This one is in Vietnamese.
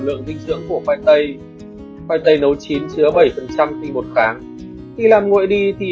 lượng dinh dưỡng của khoai tây khoai tây nấu chín chứa bảy tinh bột kháng khi làm nguội đi